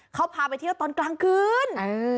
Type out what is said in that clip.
เขาพาไปเที่ยวตอนกลางคืน